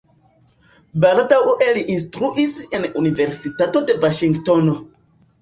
Baldaŭe li instruis en universitato de Vaŝingtono.